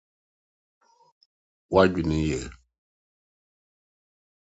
W'adwene ye.